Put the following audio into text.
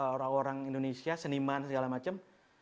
orang orang indonesia seniman segala macam